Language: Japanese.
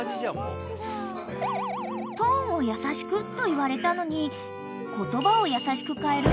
［トーンを優しくと言われたのに言葉を優しく変える］